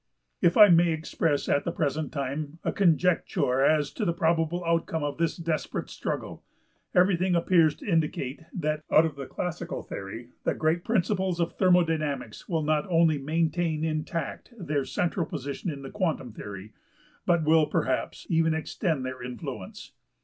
If I may express at the present time a conjecture as to the probable outcome of this desperate struggle, everything appears to indicate that out of the classical theory the great principles of thermodynamics will not only maintain intact their central position in the quantum theory, but will perhaps even extend their influence.